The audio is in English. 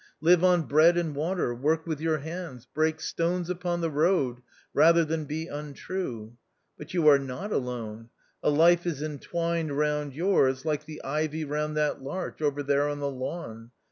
live on bread THE OUTCAST. 115 and water, work with your hands, break stones upon the road, rather than be un true. But you are not alone ; a life is entwined round yours like the ivy round that larch over there on the lawn.